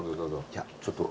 いやちょっと。